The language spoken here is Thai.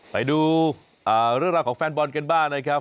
ไปดูเรื่องราวของแฟนบอลกันบ้างนะครับ